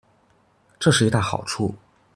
這是一大好處